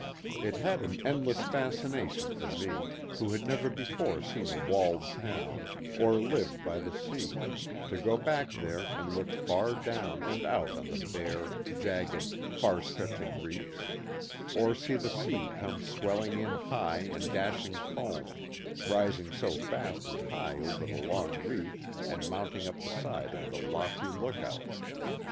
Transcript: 66 A PICNIC NEAR THE EQUATOR. It had an endless fascination for me, who had never before seen a walled town or lived by the sea, to go there and look far down and out on the bare, jagged, far stretching reefs, or see the sea come swelling in high and dashing foam, rising so fast and high over the long reef and mounting up the side of the lofty look out.